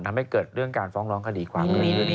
ทำให้เกิดเรื่องการฟ้องร้องคดีความ